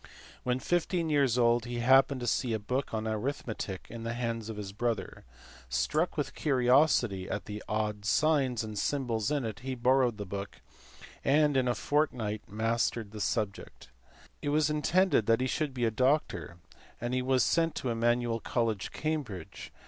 When fifteen years old he happened to see a book of arithmetic in the hands of his brother; struck with curiosity at the odd signs and symbols in it he borrowed the book, and in a fortnight had mastered the subject. It was intended that he should be a doctor, and he was sent to Emmanuel College, Cambridge.